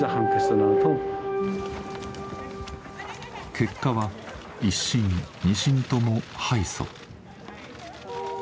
結果は一審二審とも敗訴。